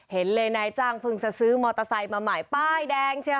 เห็นเลยนายจ้างเพิ่งจะซื้อมอเตอร์ไซค์มาใหม่ป้ายแดงเชียว